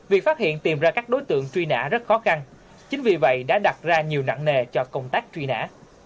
việc phát hiện tìm ra các đối tượng truy nã rất khó khăn chính vì vậy đã đặt ra nhiều nặng nề cho công tác truy nã